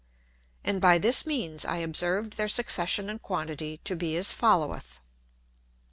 And by this means I observ'd their Succession and Quantity to be as followeth.